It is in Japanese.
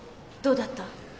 どうだった？